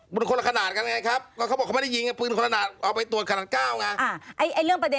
แปลว่าอะไร